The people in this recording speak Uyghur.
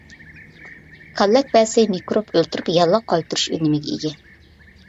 كاللەكبەسەي مىكروب ئۆلتۈرۈپ، ياللۇغ قايتۇرۇش ئۈنۈمىگە ئىگە.